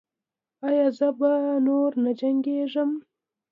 ایا زه به نور نه جنګیږم؟